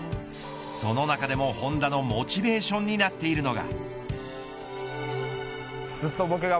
その中でも本多のモチベーションになっているのが。